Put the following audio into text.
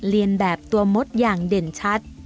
เรียนแบบตัวมดอย่างเด่นชัด